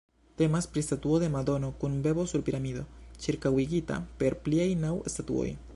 Temas pri statuo de Madono kun bebo sur piramido, ĉirkaŭigita per pliaj naŭ statuoj.